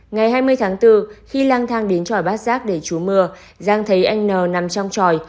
ngày hai mươi tháng bốn khi lang thang đến tròi bát giác để chú mưa giang thấy anh n nằm trong tròi